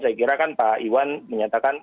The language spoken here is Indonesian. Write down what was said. saya kira kan pak iwan menyatakan